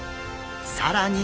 更に！